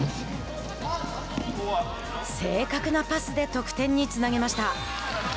正確なパスで得点につなげました。